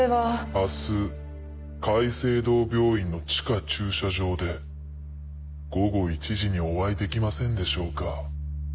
「明日界星堂病院の地下駐車場で午後１時にお会いできませんでしょうか」。